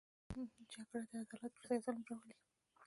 جګړه د عدالت پر ځای ظلم راولي